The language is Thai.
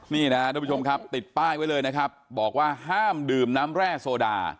นี่นะครับทุกผู้ชมครับติดป้ายไว้เลยนะครับบอกว่าห้ามดื่มน้ำแร่โซดา